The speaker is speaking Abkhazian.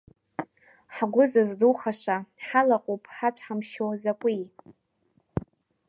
Ҳгәы зыздухаша ҳалаҟоуп, ҳаҭәҳамшьо закәи?!